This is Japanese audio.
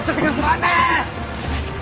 待て！